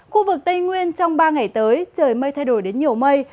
khu vực tây nguyên trong ba ngày tới trời mây thay đổi đến nhiều mây